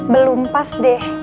belum pas deh